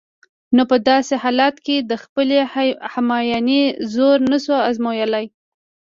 نو په داسې حالت کې د خپلې همیانۍ زور نشو آزمایلای.